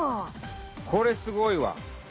これすごいわ。